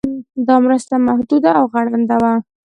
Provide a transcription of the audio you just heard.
دا مرسته محدوده او غړنده وه.